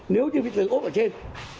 nếu như bị tường ốp ở trên